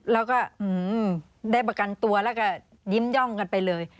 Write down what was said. แล้วก็ได้ประกันตัวแล้วก็ยิ้มย่องกันไปเลย